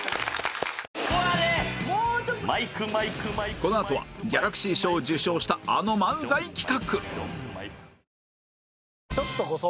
このあとはギャラクシー賞を受賞したあの漫才企画